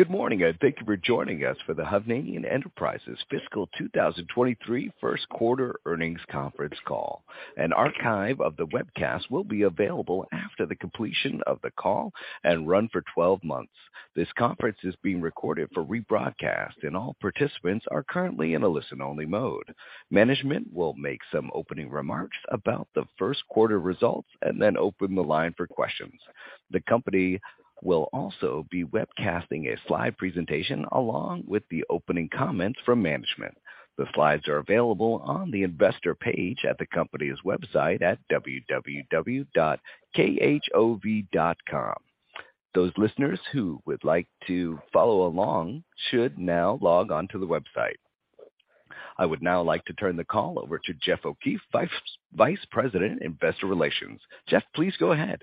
Good morning, guys. Thank you for joining us for the Hovnanian Enterprises Fiscal 2023 First Quarter Earnings Conference Call. An archive of the webcast will be available after the completion of the call and run for 12 months. This conference is being recorded for rebroadcast, and all participants are currently in a listen-only mode. Management will make some opening remarks about the first quarter results and then open the line for questions. The company will also be webcasting a slide presentation along with the opening comments from management. The slides are available on the investor page at the company's website at www.khov.com. Those listeners who would like to follow along should now log on to the website. I would now like to turn the call over to Jeff O'Keefe, Vice President, Investor Relations. Jeff, please go ahead.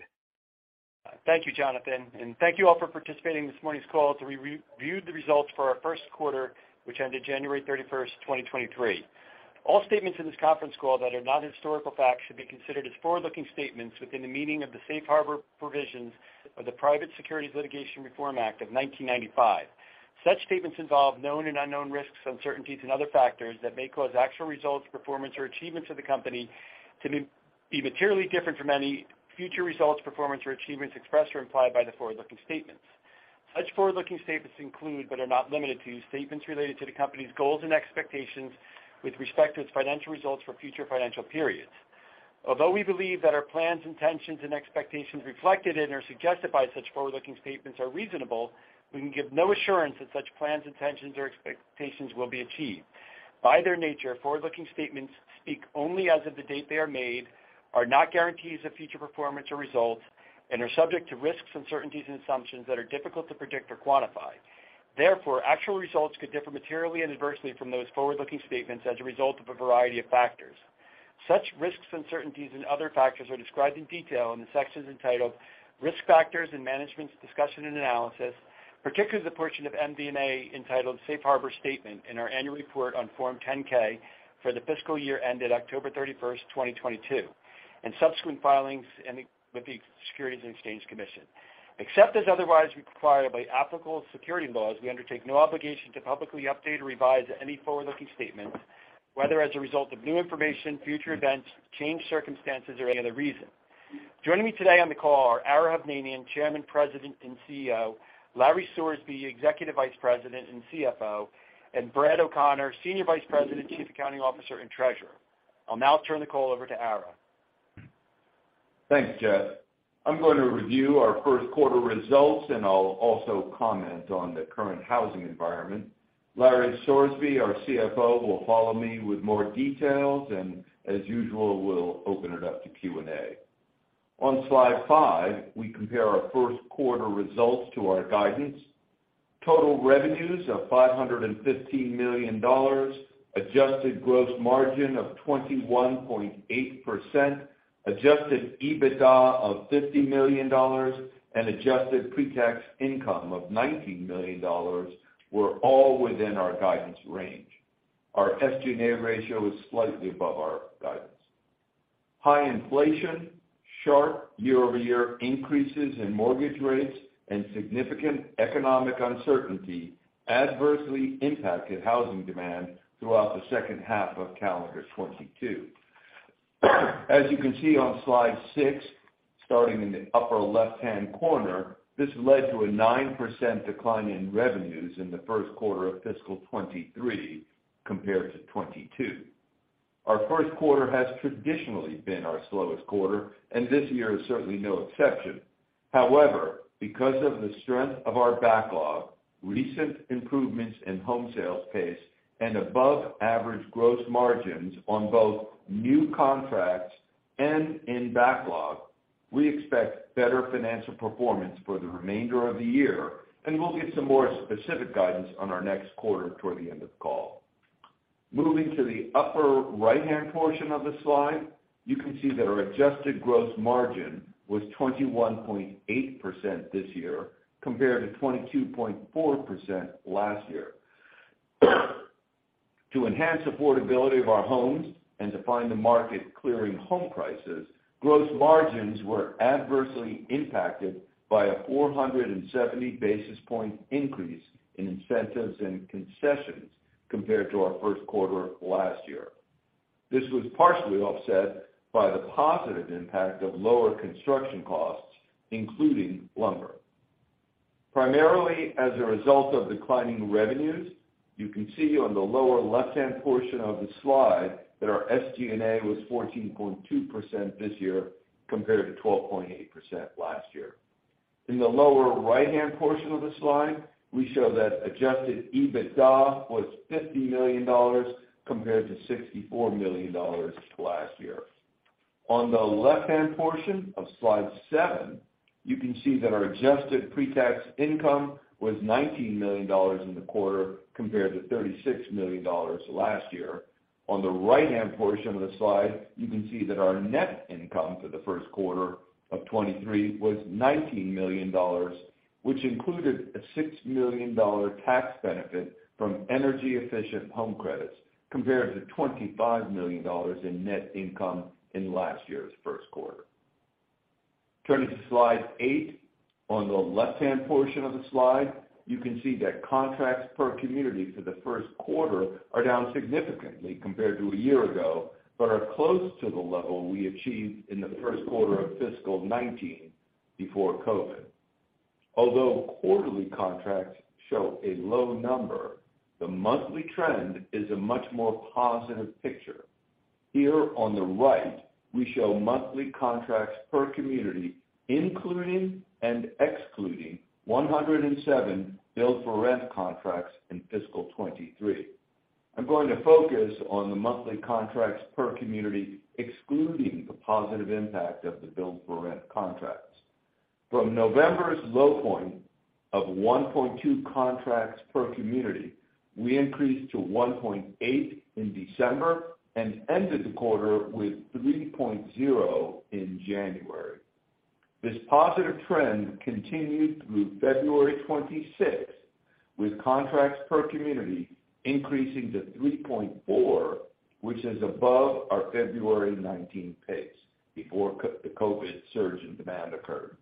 Thank you, Jonathan. Thank you all for participating in this morning's call to re-review the results for our first quarter, which ended January 31st, 2023. All statements in this conference call that are not historical facts should be considered as forward-looking statements within the meaning of the safe harbor provisions of the Private Securities Litigation Reform Act of 1995. Such statements involve known and unknown risks, uncertainties, and other factors that may cause actual results, performance, or achievements of the company to be materially different from any future results, performance, or achievements expressed or implied by the forward-looking statements. Such forward-looking statements include, but are not limited to, statements related to the company's goals and expectations with respect to its financial results for future financial periods. Although we believe that our plans, intentions, and expectations reflected in or suggested by such forward-looking statements are reasonable, we can give no assurance that such plans, intentions, or expectations will be achieved. By their nature, forward-looking statements speak only as of the date they are made, are not guarantees of future performance or results, and are subject to risks, uncertainties, and assumptions that are difficult to predict or quantify. Therefore, actual results could differ materially and adversely from those forward-looking statements as a result of a variety of factors. Such risks, uncertainties, and other factors are described in detail in the sections entitled Risk Factors and Management's Discussion and Analysis, particularly the portion of MD&A entitled Safe Harbor Statement in our annual report on Form 10-K for the fiscal year ended October 31, 2022, and subsequent filings with the Securities and Exchange Commission. Except as otherwise required by applicable security laws, we undertake no obligation to publicly update or revise any forward-looking statements, whether as a result of new information, future events, changed circumstances, or any other reason. Joining me today on the call are Ara Hovnanian, Chairman, President, and CEO; Larry Sorsby, Executive Vice President and CFO; and Brad O'Connor, Senior Vice President, Chief Accounting Officer, and Treasurer. I'll now turn the call over to Ara. Thanks, Jeff. I'm going to review our first quarter results. I'll also comment on the current housing environment. Larry Sorsby, our CFO, will follow me with more details. As usual, we'll open it up to Q&A. On slide five, we compare our first quarter results to our guidance. Total revenues of $515 million, adjusted gross margin of 21.8%, adjusted EBITDA of $50 million, and adjusted pre-tax income of $19 million were all within our guidance range. Our SG&A ratio is slightly above our guidance. High inflation, sharp year-over-year increases in mortgage rates, and significant economic uncertainty adversely impacted housing demand throughout the second half of calendar 2022. As you can see on slide six, starting in the upper left-hand corner, this led to a 9% decline in revenues in the first quarter of fiscal 2023 compared to 2022. Our first quarter has traditionally been our slowest quarter, and this year is certainly no exception. However, because of the strength of our backlog, recent improvements in home sales pace, and above-average gross margins on both new contracts and in backlog, we expect better financial performance for the remainder of the year, and we'll give some more specific guidance on our next quarter toward the end of the call. Moving to the upper right-hand portion of the slide, you can see that our adjusted gross margin was 21.8% this year compared to 22.4% last year. To enhance affordability of our homes and to find the market clearing home prices, gross margins were adversely impacted by a 470 basis point increase in incentives and concessions compared to our first quarter last year. This was partially offset by the positive impact of lower construction costs, including lumber. Primarily as a result of declining revenues, you can see on the lower left-hand portion of the slide that our SG&A was 14.2% this year compared to 12.8% last year. In the lower right-hand portion of the slide, we show that adjusted EBITDA was $50 million compared to $64 million last year. On the left-hand portion of slide seven, you can see that our adjusted pre-tax income was $19 million in the quarter compared to $36 million last year. On the right-hand portion of the slide, you can see that our net income for the first quarter of 2023 was $19 million, which included a $6 million tax benefit from energy-efficient home credits compared to $25 million in net income in last year's first quarter. Turning to slide eight. On the left-hand portion of the slide, you can see that contracts per community for the first quarter are down significantly compared to a year ago, but are close to the level we achieved in the first quarter of fiscal 2019 before COVID. Although quarterly contracts show a low number, the monthly trend is a much more positive picture. Here on the right, we show monthly contracts per community, including and excluding 107 build-for-rent contracts in fiscal 2023. I'm going to focus on the monthly contracts per community, excluding the positive impact of the build-for-rent contracts. From November's low point of 1.2 contracts per community, we increased to 1.8 in December and ended the quarter with 3.0 in January. This positive trend continued through February 26th, with contracts per community increasing to 3.4, which is above our February 19 pace before the COVID surge in demand occurred.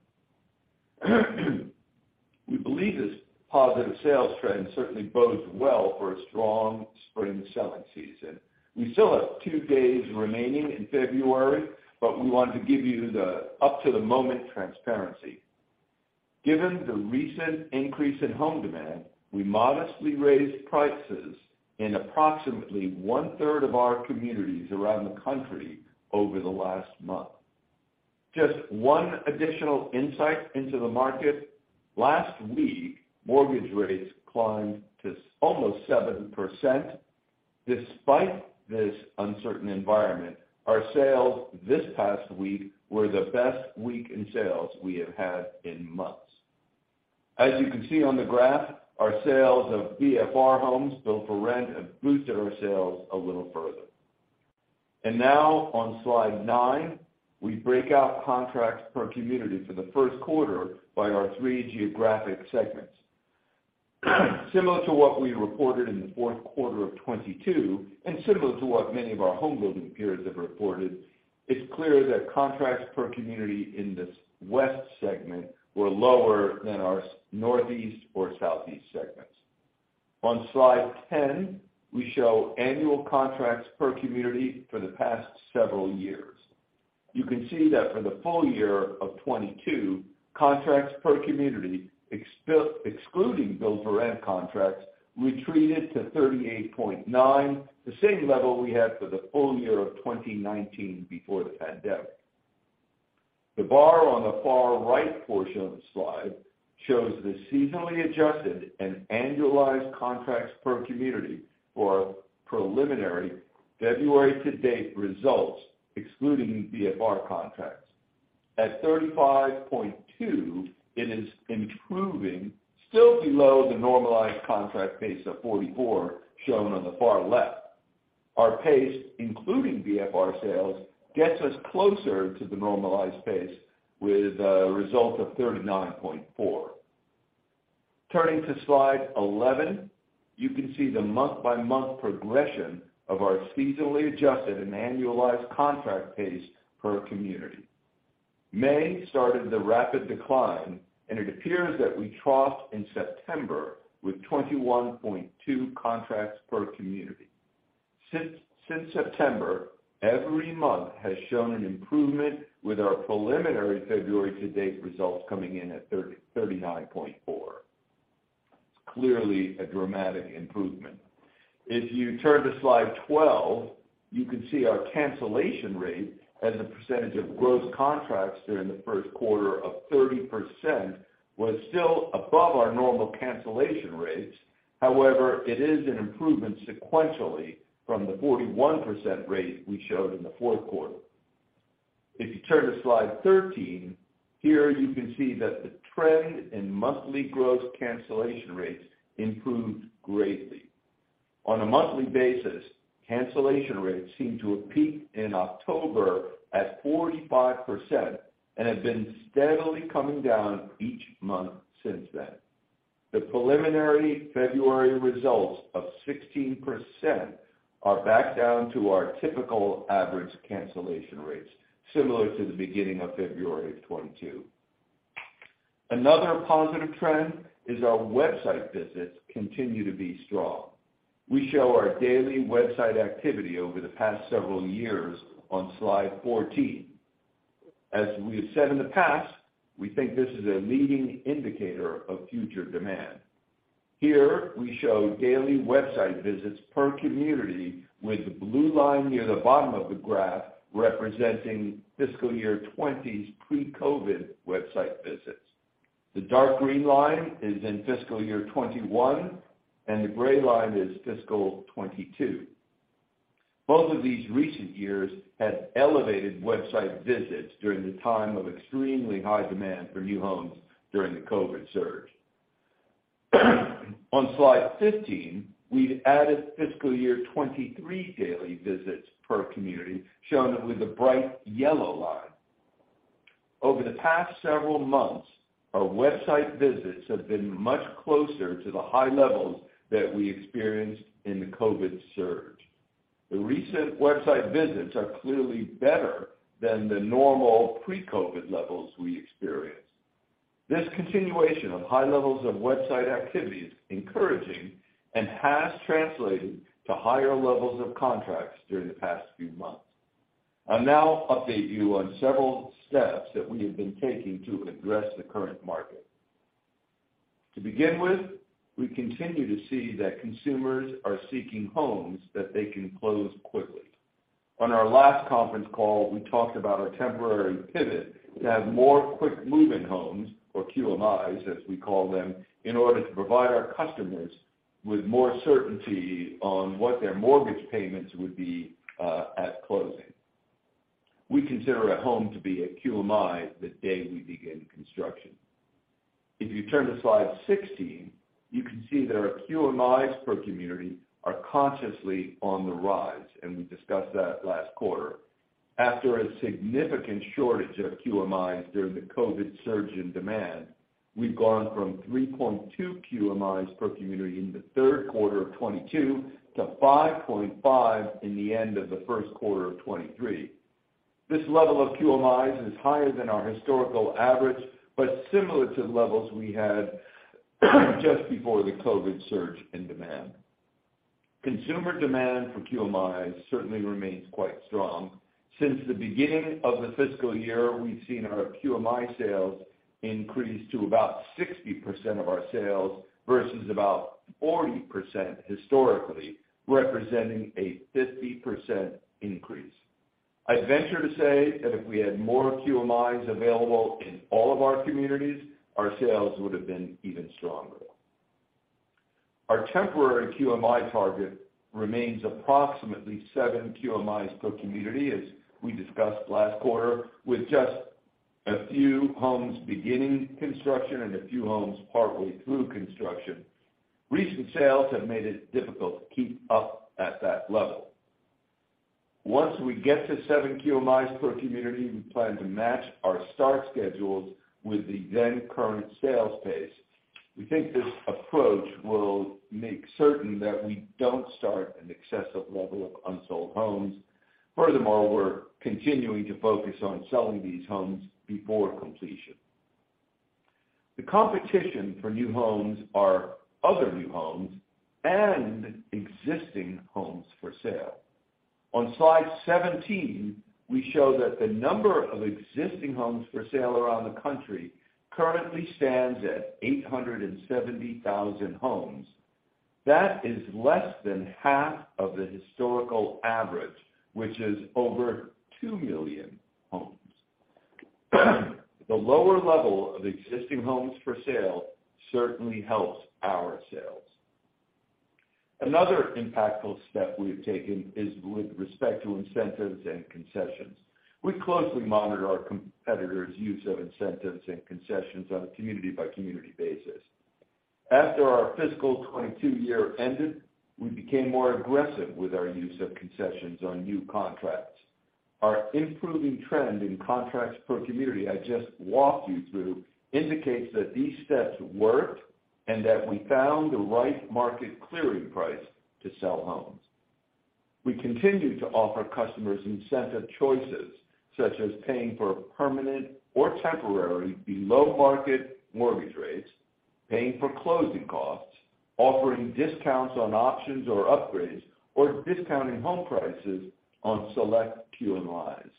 We believe this positive sales trend certainly bodes well for a strong spring selling season. We still have two days remaining in February, but we wanted to give you the up-to-the-moment transparency. Given the recent increase in home demand, we modestly raised prices in approximately 1/3 of our communities around the country over the last month. Just one additional insight into the market. Last week, mortgage rates climbed to almost 7%. Despite this uncertain environment, our sales this past week were the best week in sales we have had in months. As you can see on the graph, our sales of BFR homes, built for rent, have boosted our sales a little further. Now on slide nine, we break out contracts per community for the first quarter by our three geographic segments. Similar to what we reported in the fourth quarter of 2022, similar to what many of our home building peers have reported, it's clear that contracts per community in this West segment were lower than our Northeast or Southeast segments. On slide 10, we show annual contracts per community for the past several years. You can see that for the full-year of 2022, contracts per community, excluding build-for-rent contracts, retreated to 38.9, the same level we had for the full-year of 2019 before the pandemic. The bar on the far right portion of the slide shows the seasonally adjusted and annualized contracts per community for preliminary February to date results, excluding BFR contracts. At 35.2, it is improving, still below the normalized contract pace of 44 shown on the far left. Our pace, including BFR sales, gets us closer to the normalized pace with a result of 39.4. Turning to slide 11. You can see the month-by-month progression of our seasonally adjusted and annualized contract pace per community. May started the rapid decline. It appears that we troughed in September with 21.2 contracts per community. Since September, every month has shown an improvement with our preliminary February to date results coming in at 39.4. It's clearly a dramatic improvement. If you turn to slide 12, you can see our cancellation rate as a percentage of gross contracts during the first quarter of 30% was still above our normal cancellation rates. However, it is an improvement sequentially from the 41% rate we showed in the fourth quarter. If you turn to slide 13, here you can see that the trend in monthly gross cancellation rates improved greatly. On a monthly basis, cancellation rates seemed to have peaked in October at 45% and have been steadily coming down each month since then. The preliminary February results of 16% are back down to our typical average cancellation rates, similar to the beginning of February of 2022. Another positive trend is our website visits continue to be strong. We show our daily website activity over the past several years on slide 14. As we have said in the past, we think this is a leading indicator of future demand. Here we show daily website visits per community with the blue line near the bottom of the graph representing fiscal year 2020's pre-COVID website visits. The dark green line is in fiscal year 2021, and the gray line is fiscal 2022. Both of these recent years had elevated website visits during the time of extremely high demand for new homes during the COVID surge. On slide 15, we've added fiscal year 2023 daily visits per community, shown with the bright yellow line. Over the past several months, our website visits have been much closer to the high levels that we experienced in the COVID surge. The recent website visits are clearly better than the normal pre-COVID levels we experienced. This continuation of high levels of website activity is encouraging and has translated to higher levels of contracts during the past few months. I'll now update you on several steps that we have been taking to address the current market. To begin with, we continue to see that consumers are seeking homes that they can close quickly. On our last conference call, we talked about our temporary pivot to have more quick move-in homes, or QMIs as we call them, in order to provide our customers with more certainty on what their mortgage payments would be at closing. We consider a home to be a QMI the day we begin construction. If you turn to slide 16, you can see that our QMIs per community are consciously on the rise. We discussed that last quarter. After a significant shortage of QMIs during the COVID surge in demand, we've gone from 3.2 QMIs per community in the third quarter of 2022 to 5.5 in the end of the first quarter of 2023. This level of QMIs is higher than our historical average, similar to the levels we had just before the COVID surge in demand. Consumer demand for QMIs certainly remains quite strong. Since the beginning of the fiscal year, we've seen our QMI sales increase to about 60% of our sales versus about 40% historically, representing a 50% increase. I'd venture to say that if we had more QMIs available in all of our communities, our sales would have been even stronger. Our temporary QMI target remains approximately seven QMIs per community, as we discussed last quarter, with just a few homes beginning construction and a few homes partly through construction. Recent sales have made it difficult to keep up at that level. Once we get to seven QMIs per community, we plan to match our start schedules with the then current sales pace. We think this approach will make certain that we don't start an excessive level of unsold homes. Furthermore, we're continuing to focus on selling these homes before completion. The competition for new homes are other new homes and existing homes for sale. On slide 17, we show that the number of existing homes for sale around the country currently stands at 870,000 homes. That is less than half of the historical average, which is over two million homes. The lower level of existing homes for sale certainly helps our sales. Another impactful step we have taken is with respect to incentives and concessions. We closely monitor our competitors' use of incentives and concessions on a community-by-community basis. After our fiscal 2022 year ended, we became more aggressive with our use of concessions on new contracts. Our improving trend in contracts per community I just walked you through indicates that these steps worked and that we found the right market clearing price to sell homes. We continue to offer customers incentive choices, such as paying for permanent or temporary below-market mortgage rates, paying for closing costs, offering discounts on options or upgrades, or discounting home prices on select QMIs.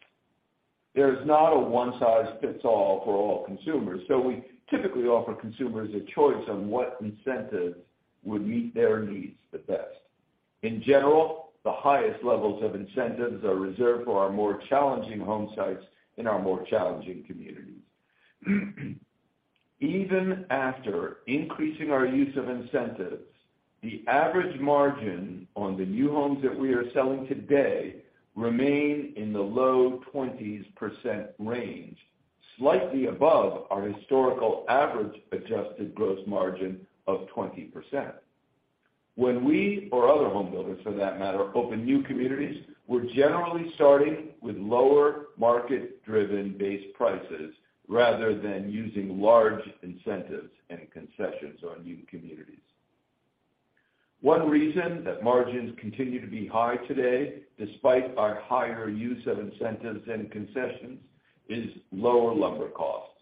There is not a one-size-fits-all for all consumers, so we typically offer consumers a choice on what incentives would meet their needs the best. In general, the highest levels of incentives are reserved for our more challenging home sites in our more challenging communities. Even after increasing our use of incentives, the average margin on the new homes that we are selling today remain in the low 20s percent range, slightly above our historical average adjusted gross margin of 20%. When we, or other homebuilders for that matter, open new communities, we're generally starting with lower market-driven base prices rather than using large incentives and concessions on new communities. One reason that margins continue to be high today, despite our higher use of incentives and concessions, is lower lumber costs.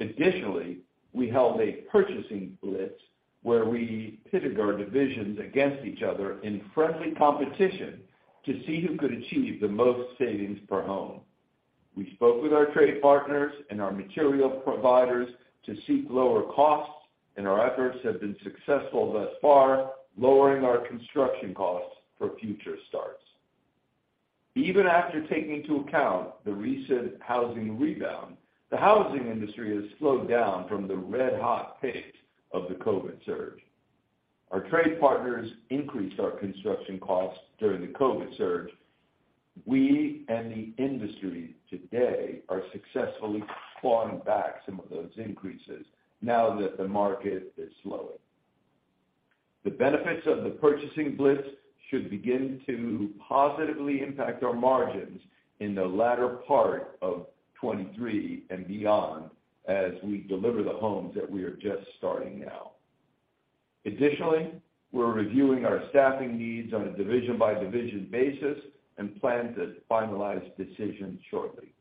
Additionally, we held a purchasing blitz where we pitted our divisions against each other in friendly competition to see who could achieve the most savings per home. We spoke with our trade partners and our material providers to seek lower costs, and our efforts have been successful thus far, lowering our construction costs for future starts. Even after taking into account the recent housing rebound, the housing industry has slowed down from the red-hot pace of the COVID surge. Our trade partners increased our construction costs during the COVID surge. We and the industry today are successfully clawing back some of those increases now that the market is slowing. The benefits of the purchasing blitz should begin to positively impact our margins in the latter part of 2023 and beyond as we deliver the homes that we are just starting now. Additionally, we're reviewing our staffing needs on a division by division basis and plan to finalize decisions shortly.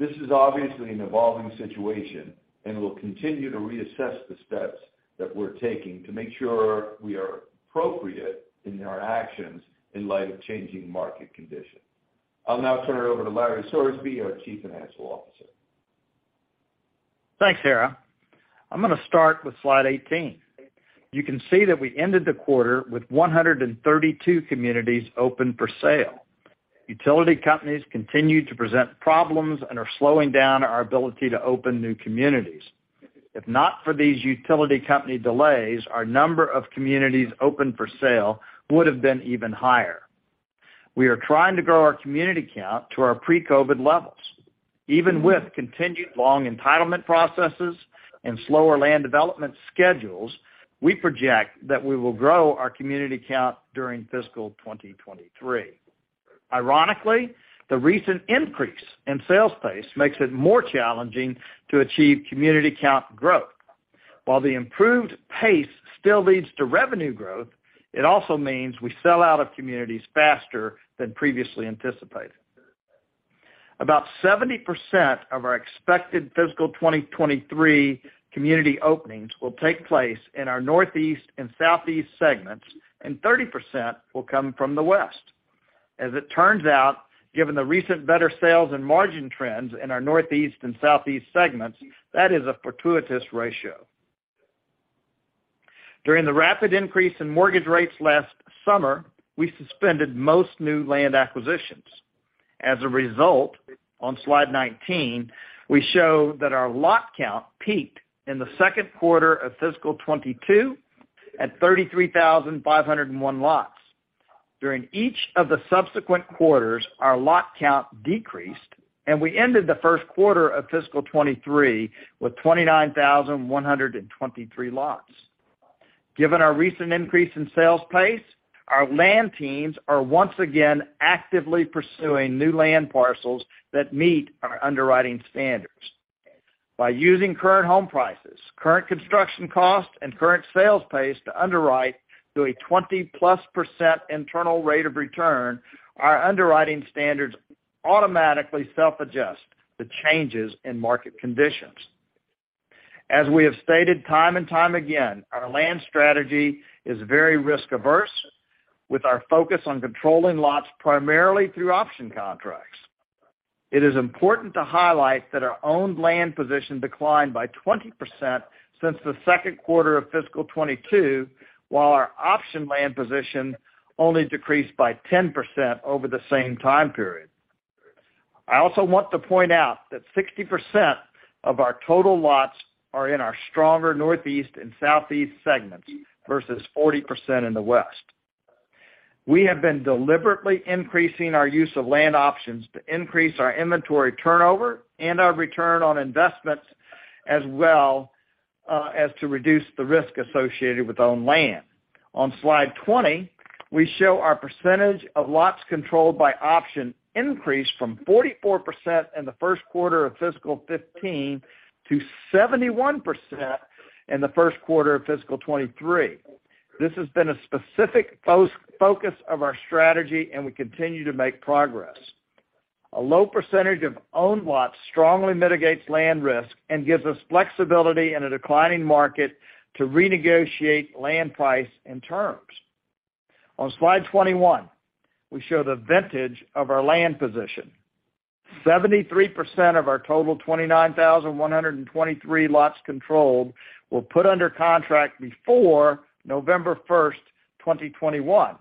This is obviously an evolving situation, and we'll continue to reassess the steps that we're taking to make sure we are appropriate in our actions in light of changing market conditions. I'll now turn it over to Larry Sorsby, our Chief Financial Officer. Thanks, Ara. I'm gonna start with slide 18. You can see that we ended the quarter with 132 communities open for sale. Utility companies continue to present problems and are slowing down our ability to open new communities. If not for these utility company delays, our number of communities open for sale would have been even higher. We are trying to grow our community count to our pre-COVID levels. Even with continued long entitlement processes and slower land development schedules, we project that we will grow our community count during fiscal 2023. Ironically, the recent increase in sales pace makes it more challenging to achieve community count growth. While the improved pace still leads to revenue growth, it also means we sell out of communities faster than previously anticipated. About 70% of our expected fiscal 2023 community openings will take place in our Northeast and Southeast segments, and 30% will come from the West. As it turns out, given the recent better sales and margin trends in our Northeast and Southeast segments, that is a fortuitous ratio. During the rapid increase in mortgage rates last summer, we suspended most new land acquisitions. As a result, on slide 19, we show that our lot count peaked in the second quarter of fiscal 2022 at 33,501 lots. During each of the subsequent quarters, our lot count decreased, and we ended the first quarter of fiscal 2023 with 29,123 lots. Given our recent increase in sales pace, our land teams are once again actively pursuing new land parcels that meet our underwriting standards. By using current home prices, current construction costs, and current sales pace to underwrite to a 20%+ internal rate of return, our underwriting standards automatically self-adjust to changes in market conditions. As we have stated time and time again, our land strategy is very risk-averse, with our focus on controlling lots primarily through option contracts. It is important to highlight that our owned land position declined by 20% since the second quarter of fiscal 2022, while our option land position only decreased by 10% over the same time period. I also want to point out that 60% of our total lots are in our stronger Northeast and Southeast segments versus 40% in the West. We have been deliberately increasing our use of land options to increase our inventory turnover and our return on investments as well, as to reduce the risk associated with owned land. On slide 20, we show our percentage of lots controlled by option increased from 44% in the first quarter of fiscal 2015 to 71% in the first quarter of fiscal 2023. This has been a specific focus of our strategy. We continue to make progress. A low percentage of owned lots strongly mitigates land risk and gives us flexibility in a declining market to renegotiate land price and terms. On slide 21, we show the vintage of our land position. 73% of our total 29,123 lots controlled were put under contract before November 1sr, 2021.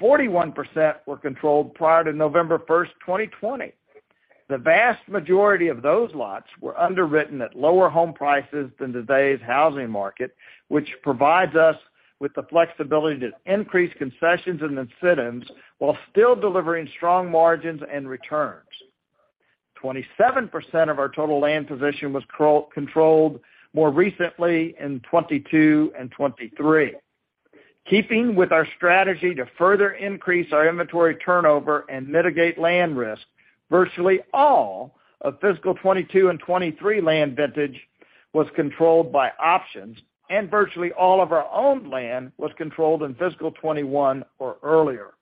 41% were controlled prior to November 1st, 2020. The vast majority of those lots were underwritten at lower home prices than today's housing market, which provides us with the flexibility to increase concessions and incentives while still delivering strong margins and returns. 27% of our total land position was controlled more recently in 2022 and 2023. Keeping with our strategy to further increase our inventory turnover and mitigate land risk, virtually all of fiscal 2022 and 2023 land vintage was controlled by options, and virtually all of our owned land was controlled in fiscal 2021 or earlier.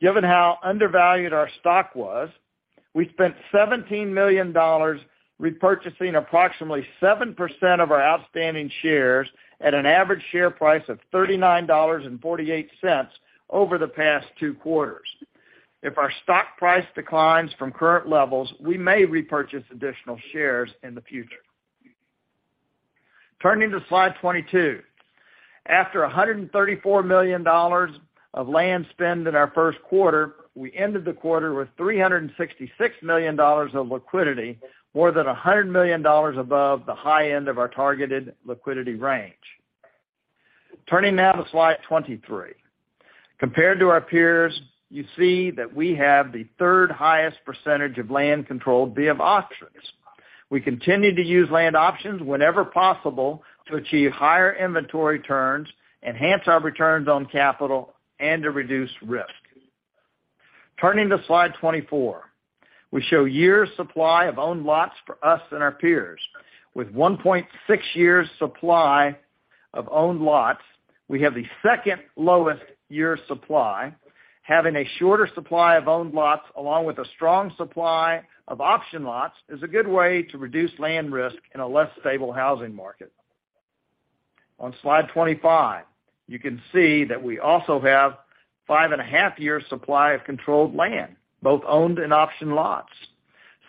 Given how undervalued our stock was, we spent $17 million repurchasing approximately 7% of our outstanding shares at an average share price of $39.48 over the past two quarters. If our stock price declines from current levels, we may repurchase additional shares in the future. Turning to slide 22. After $134 million of land spend in our first quarter, we ended the quarter with $366 million of liquidity, more than $100 million above the high end of our targeted liquidity range. Turning now to slide 23. Compared to our peers, you see that we have the third highest percentage of land controlled via options. We continue to use land options whenever possible to achieve higher inventory turns, enhance our returns on capital, and to reduce risk. Turning to slide 24. We show year supply of owned lots for us and our peers. With 1.6 years supply of owned lots, we have the second lowest year supply. Having a shorter supply of owned lots along with a strong supply of option lots is a good way to reduce land risk in a less stable housing market. On slide 25, you can see that we also have 5.5 year supply of controlled land, both owned and option lots.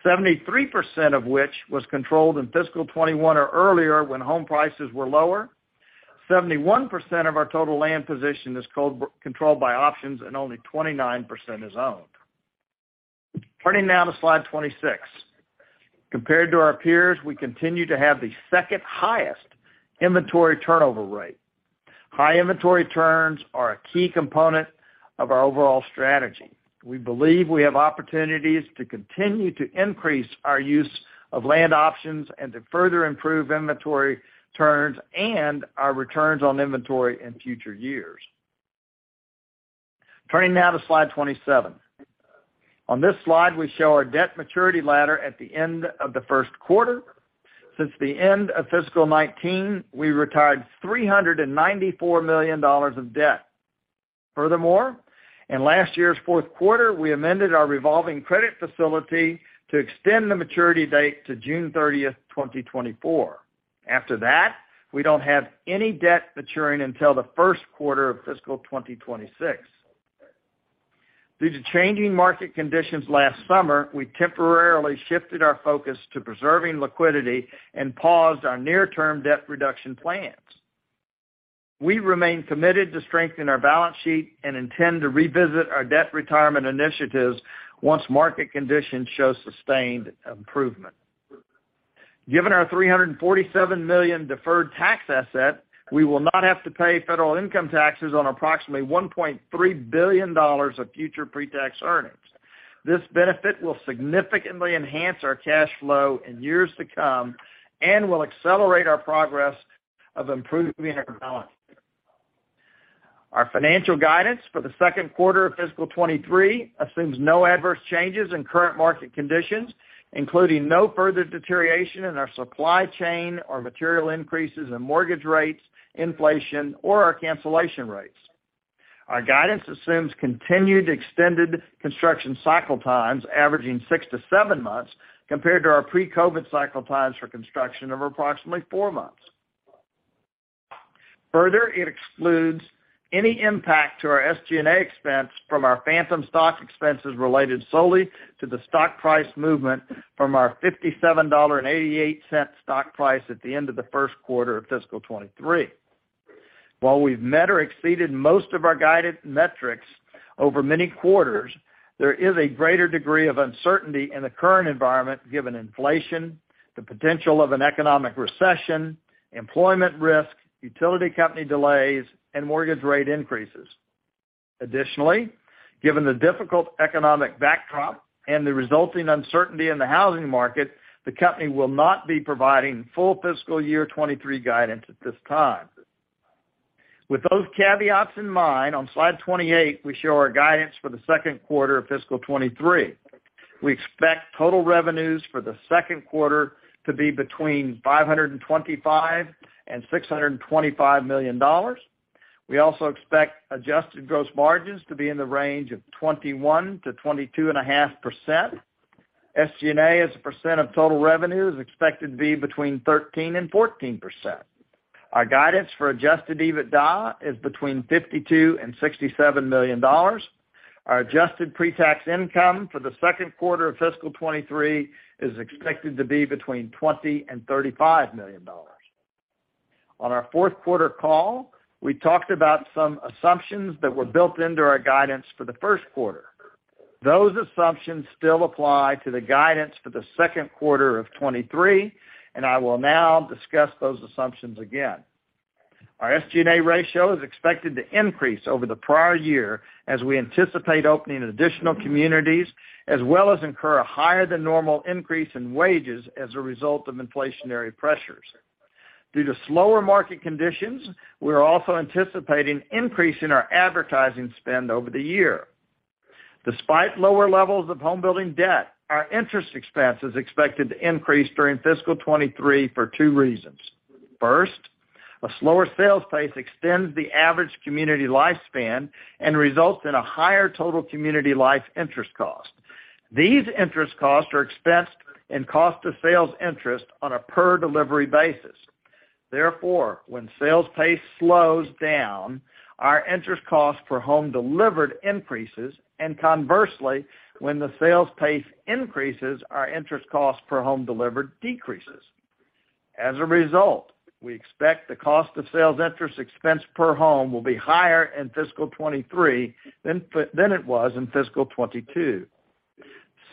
73% of which was controlled in fiscal 2021 or earlier, when home prices were lower. 71% of our total land position is controlled by options and only 29% is owned. Turning now to slide 26. Compared to our peers, we continue to have the second highest inventory turnover rate. High inventory turns are a key component of our overall strategy. We believe we have opportunities to continue to increase our use of land options and to further improve inventory turns and our returns on inventory in future years. Turning now to slide 27. On this slide, we show our debt maturity ladder at the end of the first quarter. Since the end of fiscal 2019, we retired $394 million of debt. Furthermore, in last year's fourth quarter, we amended our revolving credit facility to extend the maturity date to June 30th, 2024. After that, we don't have any debt maturing until the first quarter of fiscal 2026. Due to changing market conditions last summer, we temporarily shifted our focus to preserving liquidity and paused our near-term debt reduction plans. We remain committed to strengthen our balance sheet and intend to revisit our debt retirement initiatives once market conditions show sustained improvement. Given our $347 million deferred tax asset, we will not have to pay federal income taxes on approximately $1.3 billion of future pre-tax earnings. This benefit will significantly enhance our cash flow in years to come and will accelerate our progress of improving our balance. Our financial guidance for the second quarter of fiscal 2023 assumes no adverse changes in current market conditions, including no further deterioration in our supply chain or material increases in mortgage rates, inflation, or our cancellation rates. Our guidance assumes continued extended construction cycle times averaging six to seven months compared to our pre-COVID cycle times for construction of approximately four months. Further, it excludes any impact to our SG&A expense from our phantom stock expenses related solely to the stock price movement from our $57.88 stock price at the end of the first quarter of fiscal 2023. While we've met or exceeded most of our guided metrics over many quarters, there is a greater degree of uncertainty in the current environment, given inflation, the potential of an economic recession, employment risk, utility company delays, and mortgage rate increases. Additionally, given the difficult economic backdrop and the resulting uncertainty in the housing market, the company will not be providing full fiscal year 2023 guidance at this time. With those caveats in mind, on slide 28, we show our guidance for the second quarter of fiscal 2023. We expect total revenues for the second quarter to be between $525 million and $625 million. We also expect adjusted gross margins to be in the range of 21%-22.5%. SG&A, as a percent of total revenue, is expected to be between 13% and 14%. Our guidance for adjusted EBITDA is between $52 million and $67 million. Our adjusted pre-tax income for the second quarter of fiscal 2023 is expected to be between $20 million and $35 million. On our fourth quarter call, we talked about some assumptions that were built into our guidance for the first quarter. Those assumptions still apply to the guidance for the second quarter of 2023. I will now discuss those assumptions again. Our SG&A ratio is expected to increase over the prior year as we anticipate opening additional communities as well as incur a higher than normal increase in wages as a result of inflationary pressures. Due to slower market conditions, we are also anticipating increase in our advertising spend over the year. Despite lower levels of home building debt, our interest expense is expected to increase during fiscal 2023 for two reasons. First, a slower sales pace extends the average community lifespan and results in a higher total community life interest cost. These interest costs are expensed in cost of sales interest on a per delivery basis. Therefore, when sales pace slows down, our interest cost per home delivered increases, and conversely, when the sales pace increases, our interest cost per home delivered decreases. As a result, we expect the cost of sales interest expense per home will be higher in fiscal 2023 than it was in fiscal 2022.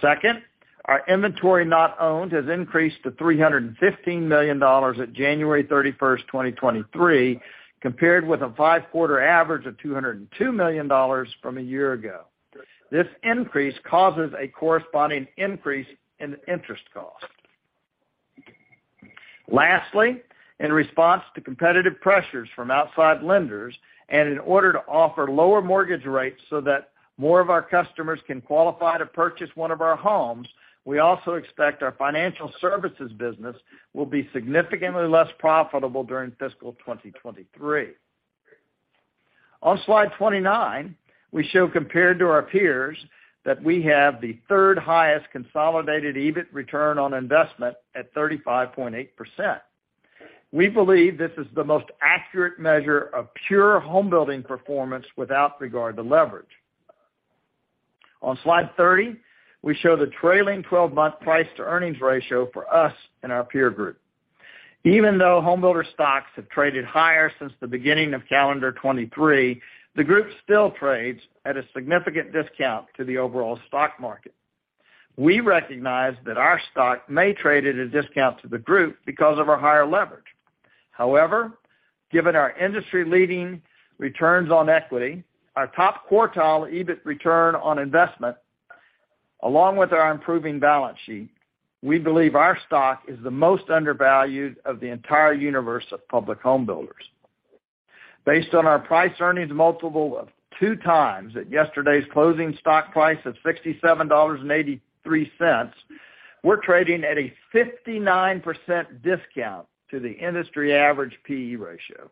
Second, our inventory not owned has increased to $315 million at January 31st, 2023, compared with a five-quarter average of $202 million from a year ago. This increase causes a corresponding increase in interest cost. Lastly, in response to competitive pressures from outside lenders and in order to offer lower mortgage rates so that more of our customers can qualify to purchase one of our homes, we also expect our financial services business will be significantly less profitable during fiscal 2023. On slide 29, we show compared to our peers that we have the third highest consolidated EBIT return on investment at 35.8%. We believe this is the most accurate measure of pure home building performance without regard to leverage. On slide 30, we show the trailing 12-month price-to-earnings ratio for us and our peer group. Even though homebuilder stocks have traded higher since the beginning of calendar 2023, the group still trades at a significant discount to the overall stock market. We recognize that our stock may trade at a discount to the group because of our higher leverage. However, given our industry-leading returns on equity, our top quartile EBIT return on investment, along with our improving balance sheet, we believe our stock is the most undervalued of the entire universe of public homebuilders. Based on our price earnings multiple of 2x at yesterday's closing stock price of $67.83, we're trading at a 59% discount to the industry average P/E ratio.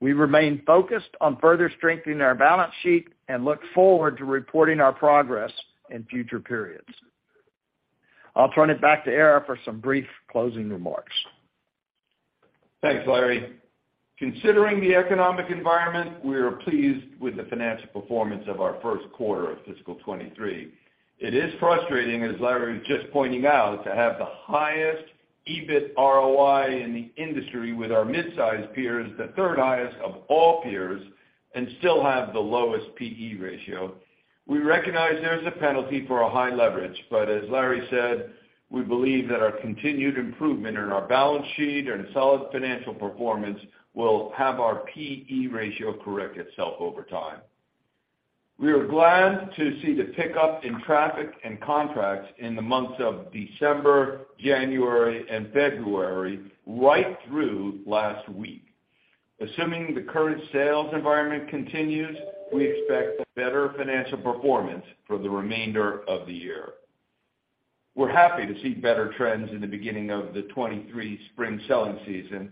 We remain focused on further strengthening our balance sheet and look forward to reporting our progress in future periods. I'll turn it back to Ara for some brief closing remarks. Thanks, Larry. Considering the economic environment, we are pleased with the financial performance of our first quarter of fiscal 2023. It is frustrating, as Larry was just pointing out, to have the highest EBIT ROI in the industry with our mid-size peers, the third highest of all peers, and still have the lowest P/E ratio. We recognize there's a penalty for a high leverage, as Larry said, we believe that our continued improvement in our balance sheet and solid financial performance will have our P/E ratio correct itself over time. We are glad to see the pickup in traffic and contracts in the months of December, January, and February right through last week. Assuming the current sales environment continues, we expect a better financial performance for the remainder of the year. We're happy to see better trends in the beginning of the 2023 spring selling season.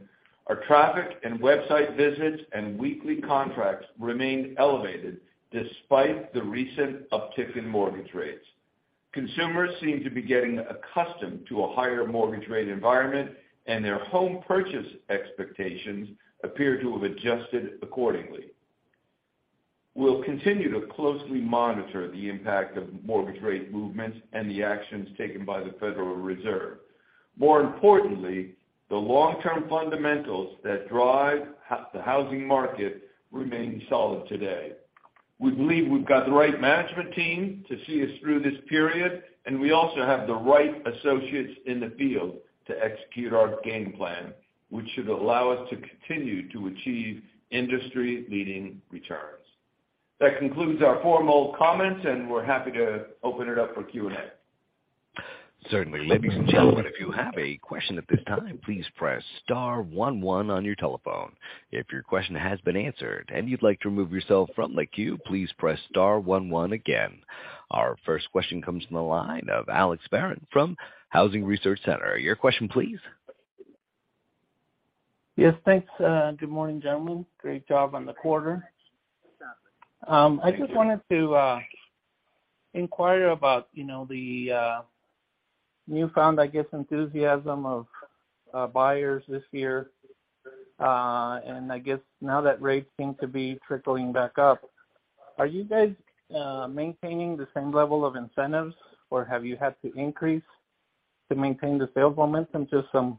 Our traffic and website visits and weekly contracts remain elevated despite the recent uptick in mortgage rates. Consumers seem to be getting accustomed to a higher mortgage rate environment. Their home purchase expectations appear to have adjusted accordingly. We'll continue to closely monitor the impact of mortgage rate movements and the actions taken by the Federal Reserve. More importantly, the long-term fundamentals that drive the housing market remain solid today. We believe we've got the right management team to see us through this period. We also have the right associates in the field to execute our game plan, which should allow us to continue to achieve industry-leading returns. That concludes our formal comments. We're happy to open it up for Q&A. Certainly. Ladies and gentlemen, if you have a question at this time, please press star one one on your telephone. If your question has been answered and you'd like to remove yourself from the queue, please press star one one again. Our first question comes from the line of Alex Barron from Housing Research Center. Your question, please. Yes, thanks. Good morning, gentlemen. Great job on the quarter. I just wanted to inquire about, you know, the newfound, I guess, enthusiasm of buyers this year. I guess now that rates seem to be trickling back up, are you guys maintaining the same level of incentives, or have you had to increase to maintain the sales momentum? Just some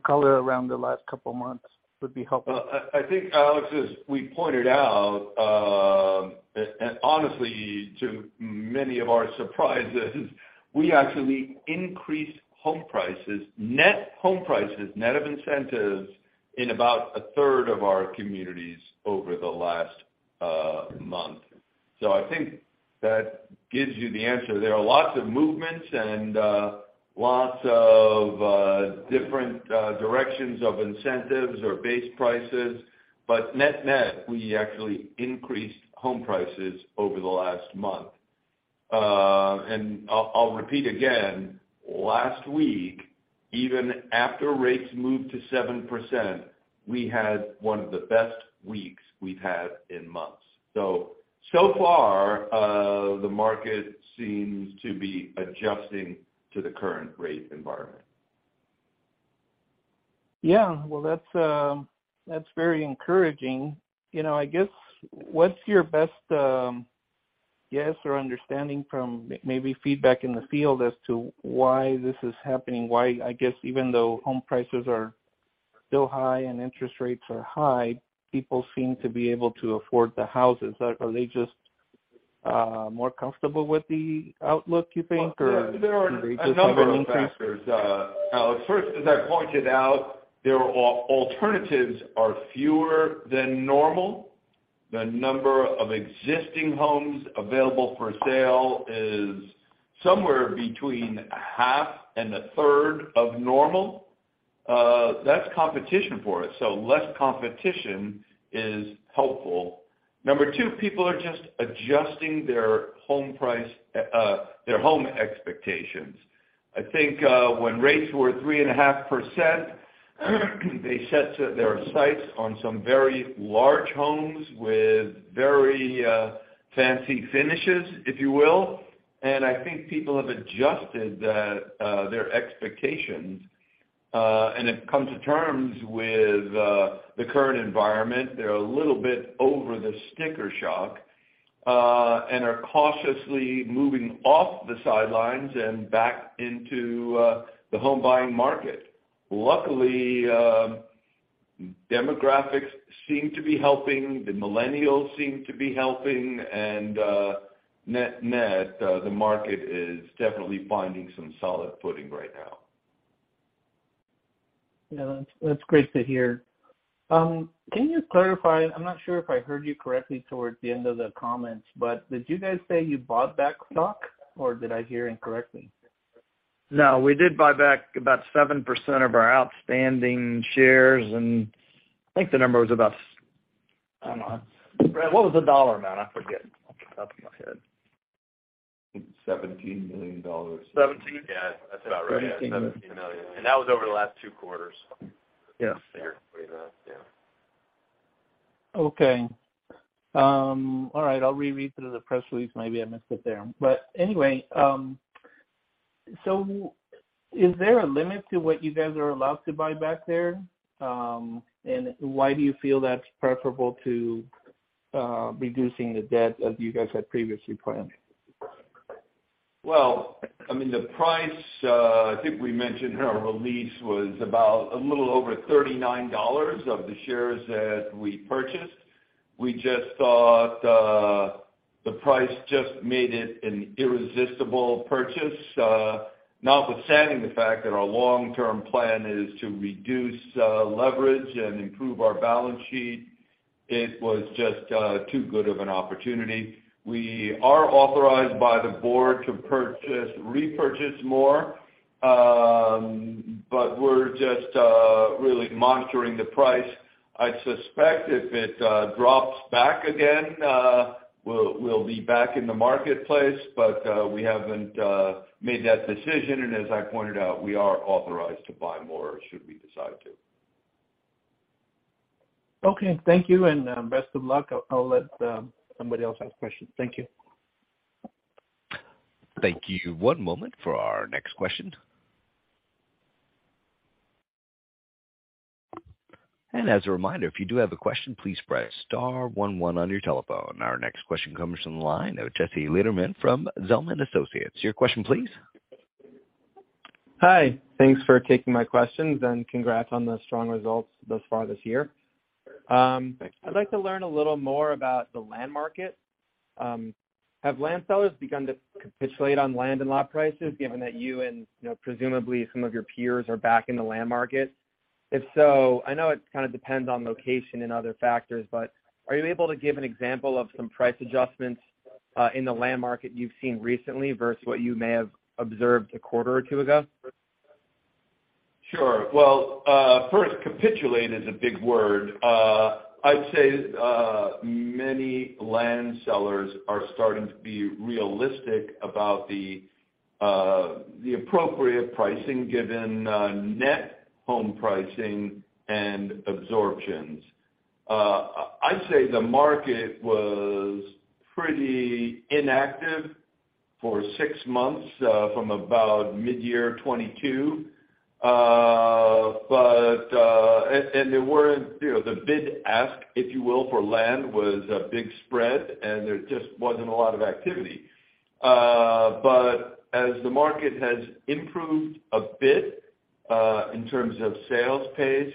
color around the last couple of months would be helpful. I think, Alex, as we pointed out, and honestly, to many of our surprises, we actually increased home prices, net home prices, net of incentives in about 1/3 of our communities over the last month. I think that gives you the answer. There are lots of movements and lots of different directions of incentives or base prices. Net-net, we actually increased home prices over the last month. I'll repeat again, last week, even after rates moved to 7%, we had one of the best weeks we've had in months. So far, the market seems to be adjusting to the current rate environment. Yeah. Well, that's very encouraging. You know, I guess, what's your best guess or understanding from maybe feedback in the field as to why this is happening, why, I guess, even though home prices are still high and interest rates are high, people seem to be able to afford the houses. Are they just more comfortable with the outlook, you think, or. Yeah. There are a number of factors, Alex. First, as I pointed out, their alternatives are fewer than normal. The number of existing homes available for sale is somewhere between 1/2 and 1/3 of normal. That's competition for us. Less competition is helpful. Number two, people are just adjusting their home price, their home expectations. I think, when rates were 3.5%, they set their sights on some very large homes with very fancy finishes, if you will. I think people have adjusted their expectations and have come to terms with the current environment. They're a little bit over the sticker shock and are cautiously moving off the sidelines and back into the home buying market. Luckily, demographics seem to be helping, the millennials seem to be helping, and, net-net, the market is definitely finding some solid footing right now. Yeah, that's great to hear. Can you clarify, I'm not sure if I heard you correctly towards the end of the comments, but did you guys say you bought back stock or did I hear incorrectly? No, we did buy back about 7% of our outstanding shares, and I think the number was about. I don't know. Brad, what was the dollar amount? I forget off the top of my head. $17 million. Seventeen? Yeah, that's about right. Yeah, $17 million. That was over the last two quarters. Yes. Figure, yeah. Okay. All right, I'll reread through the press release. Maybe I missed it there. Anyway, is there a limit to what you guys are allowed to buy back there? Why do you feel that's preferable to reducing the debt as you guys had previously planned? Well, I mean, the price, I think we mentioned in our release was about a little over $39 of the shares that we purchased. We just thought the price just made it an irresistible purchase, notwithstanding the fact that our long-term plan is to reduce leverage and improve our balance sheet, it was just too good of an opportunity. We are authorized by the board to repurchase more, but we're just really monitoring the price. I suspect if it drops back again, we'll be back in the marketplace. We haven't made that decision, and as I pointed out, we are authorized to buy more should we decide to. Okay, thank you. Best of luck. I'll let somebody else ask questions. Thank you. Thank you. One moment for our next question. As a reminder, if you do have a question, please press star one one, on your telephone. Our next question comes from the line of Jesse Lederman from Zelman & Associates. Your question please. Hi. Thanks for taking my questions, and congrats on the strong results thus far this year. Thank you. I'd like to learn a little more about the land market. Have land sellers begun to capitulate on land and lot prices, given that you and, you know, presumably some of your peers are back in the land market? If so, I know it kind of depends on location and other factors, but are you able to give an example of some price adjustments in the land market you've seen recently versus what you may have observed a quarter or two ago? Sure. First, capitulate is a big word. I'd say many land sellers are starting to be realistic about the appropriate pricing given net home pricing and absorptions. I'd say the market was pretty inactive for six months from about mid-year 2022. There weren't, you know, the bid-ask, if you will, for land was a big spread, and there just wasn't a lot of activity. As the market has improved a bit, in terms of sales pace,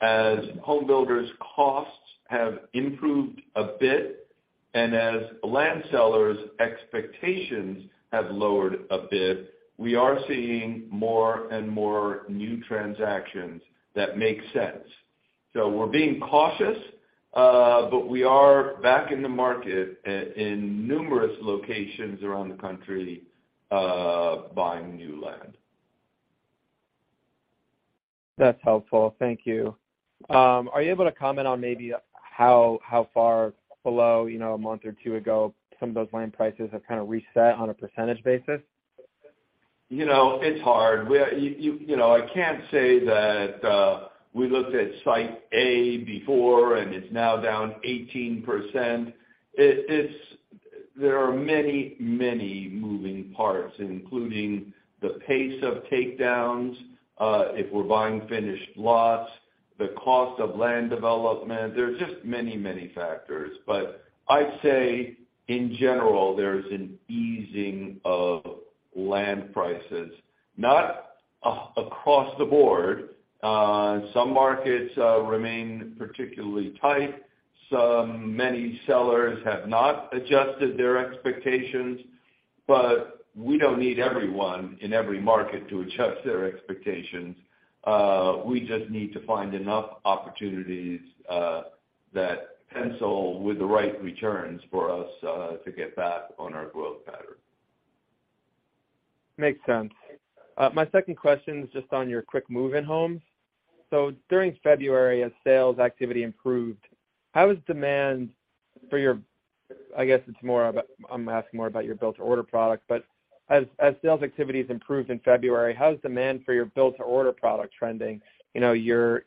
as home builders costs have improved a bit, and as land sellers expectations have lowered a bit, we are seeing more and more new transactions that make sense. We're being cautious, we are back in the market in numerous locations around the country buying new land. That's helpful. Thank you. Are you able to comment on maybe how far below, you know, a month or two ago, some of those land prices have kind of reset on a percentage basis? You know, it's hard. You know, I can't say that we looked at site A before and it's now down 18%. There are many, many moving parts, including the pace of takedowns, if we're buying finished lots, the cost of land development. There are just many, many factors. I'd say in general, there's an easing of land prices. Not across the board. Some markets remain particularly tight. Many sellers have not adjusted their expectations. We don't need everyone in every market to adjust their expectations. We just need to find enough opportunities that pencil with the right returns for us to get back on our growth pattern. Makes sense. My second question is just on your Quick Move-In homes. During February, as sales activity improved, how has demand for your. I'm asking more about your build-to-order products. As sales activities improved in February, how has demand for your build-to-order product trending? You know, your.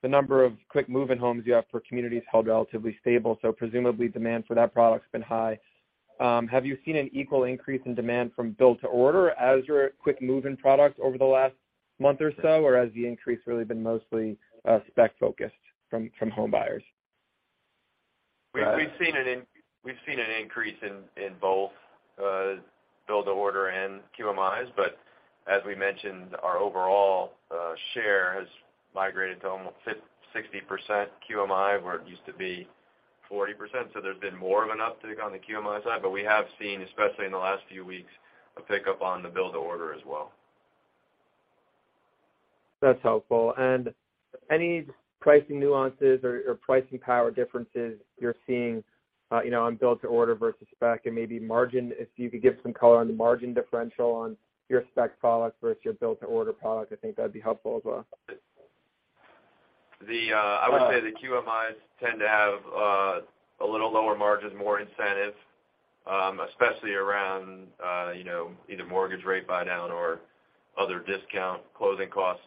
The number of Quick Move-In homes you have per community is held relatively stable, so presumably demand for that product's been high. Have you seen an equal increase in demand from build-to-order as your Quick Move-In product over the last month or so? Has the increase really been mostly spec focused from home buyers? We've seen an increase in both build-to-order and QMIs. As we mentioned, our overall share has migrated to 60% QMI, where it used to be 40%. There's been more of an uptick on the QMI side, but we have seen, especially in the last few weeks, a pickup on the build-to-order as well. That's helpful. Any pricing nuances or pricing power differences you're seeing, you know, on build-to-order versus spec and maybe margin, if you could give some color on the margin differential on your spec product versus your build-to-order product, I think that'd be helpful as well. I would say the QMIs tend to have a little lower margins, more incentives, especially around, you know, either mortgage rate buydown or other discount closing costs.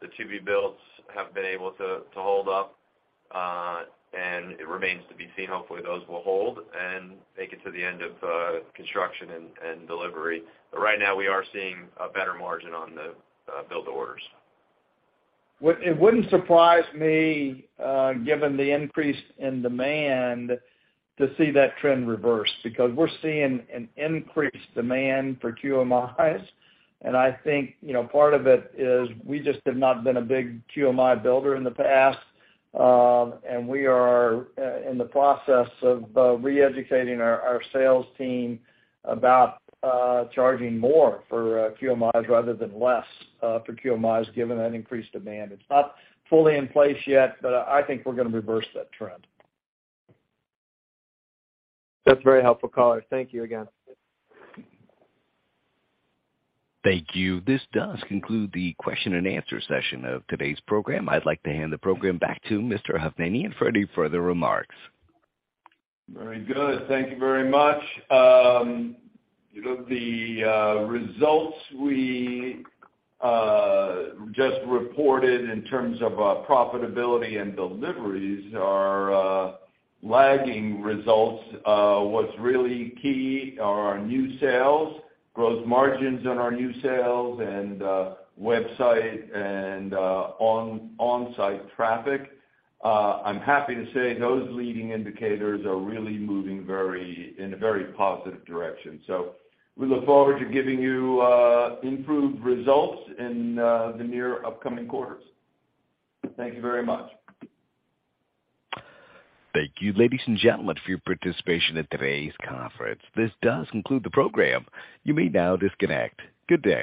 The to-be builds have been able to hold up, and it remains to be seen. Hopefully, those will hold and make it to the end of construction and delivery. Right now we are seeing a better margin on the build-to-orders. It wouldn't surprise me, given the increase in demand to see that trend reverse because we're seeing an increased demand for QMIs. I think, you know, part of it is we just have not been a big QMI builder in the past. We are in the process of re-educating our sales team about charging more for QMIs rather than less for QMIs, given that increased demand. It's not fully in place yet, but I think we're gonna reverse that trend. That's very helpful color. Thank you again. Thank you. This does conclude the question and answer session of today's program. I'd like to hand the program back to Mr. Hovnanian for any further remarks. Very good. Thank you very much. You know, the results we just reported in terms of profitability and deliveries are lagging results. What's really key are our new sales, growth margins on our new sales and website and onsite traffic. I'm happy to say those leading indicators are really moving in a very positive direction. We look forward to giving you improved results in the near upcoming quarters. Thank you very much. Thank you, ladies and gentlemen, for your participation in today's conference. This does conclude the program. You may now disconnect. Good day.